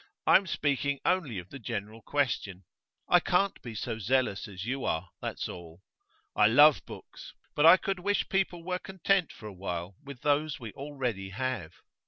I am speaking only of the general question. I can't be quite so zealous as you are, that's all. I love books, but I could wish people were content for a while with those we already have.